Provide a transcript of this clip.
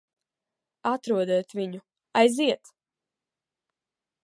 Atrodiet viņu. Aiziet!